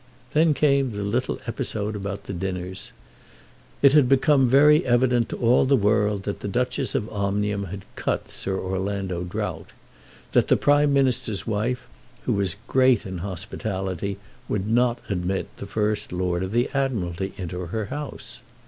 Then came the little episode about the dinners. It had become very evident to all the world that the Duchess of Omnium had cut Sir Orlando Drought, that the Prime Minister's wife, who was great in hospitality, would not admit the First Lord of the Admiralty into her house.